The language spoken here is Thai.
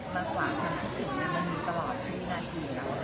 มันความพนักศึกมันมีตลอดที่น่าจะอยู่แล้วค่ะ